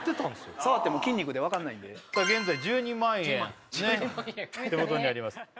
触っても筋肉で分かんないんでさあ現在１２万円ってことになります